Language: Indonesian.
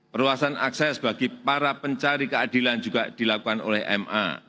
perluasan akses bagi para pencari keadilan juga dilakukan oleh ma